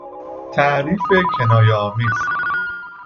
تعریف کنایهآمیز